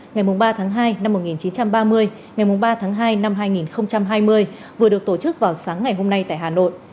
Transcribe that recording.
ngày ba hai một nghìn chín trăm ba mươi ngày ba hai hai nghìn hai mươi vừa được tổ chức vào sáng ngày hôm nay tại hà nội